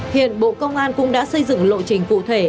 hiện bộ công an cũng đã xây dựng lộ trình cụ thể